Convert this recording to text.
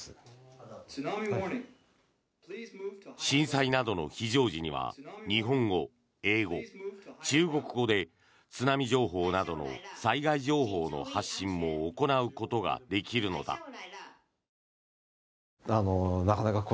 震災などの非常時には日本語、英語、中国語で津波情報などの災害情報の発信も行うことができるのだ。